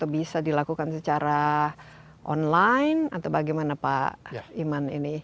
bisa dilakukan secara online atau bagaimana pak iman ini